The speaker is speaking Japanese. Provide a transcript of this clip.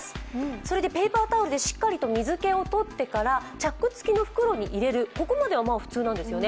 それでペーパータオルでしっかり水けをとってからチャック付きの袋に入れるココまでは普通なんですよね。